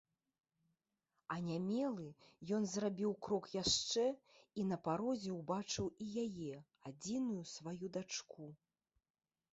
Анямелы, ён зрабіў крок яшчэ і на парозе ўбачыў і яе, адзіную сваю дачку.